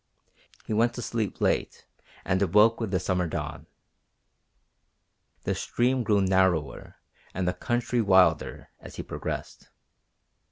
He went to sleep late and awoke with the summer dawn. The stream grew narrower and the country wilder as he progressed.